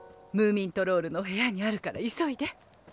ムーミントロールの部屋にあるから急いで。